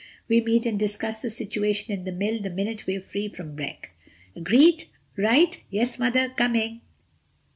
We meet and discuss the situation in the mill the minute we're free from brek. Agreed? Right! Yes, Mother, coming!"